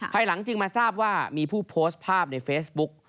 ภายหลังจึงมาทราบว่ามีผู้โพสต์ภาพในเฟซบุ๊ก